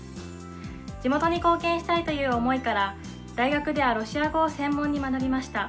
地元に貢献したいという思いから大学ではロシア語を専門に学びました。